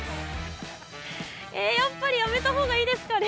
やっぱりやめたほうがいいですかね？